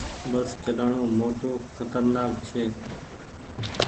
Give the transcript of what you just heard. بس چلآڻو موٽو کترنآڪ ڇي۔